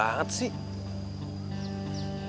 aduh lama banget sih